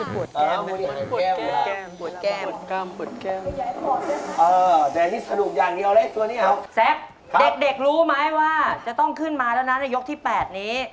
เป่ารูปวงแล้วรู้สึกยังไงครับ